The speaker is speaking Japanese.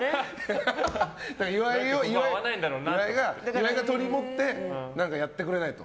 岩井が取り持って何かやってくれないと。